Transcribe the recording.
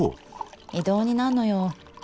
異動になんのよ。